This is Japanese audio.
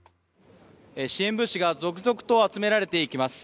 支援物資が続々と集められていきます。